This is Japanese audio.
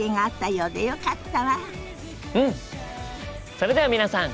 それでは皆さん